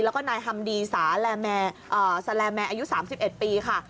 แล้วก็นายฮัมดีสาแสลแมร์อายุ๓๑ปีค่ะ